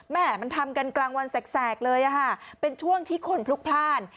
แม่มันทำกันกลางวันแสกเลยเป็นช่วงที่คนพลุกพลาด